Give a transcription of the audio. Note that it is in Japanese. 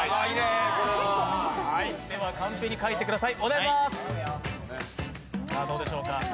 カンペに書いてください。